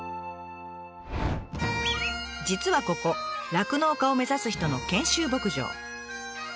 実はここ酪農家を目指す人の研修牧場。